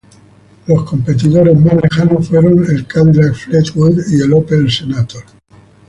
Los competidores más lejanos fueron el Cadillac Fleetwood y el Opel Senator.